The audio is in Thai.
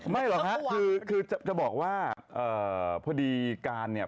ไม่เหรอฮะคือจะบอกว่าพอดีการเนี่ยเขามีกฎะ